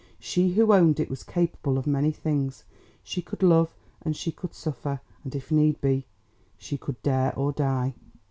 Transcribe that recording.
She who owned it was capable of many things. She could love and she could suffer, and if need be, she could dare or die.